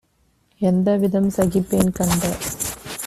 எந்தவிதம் சகிப்பேன்? - கண்ட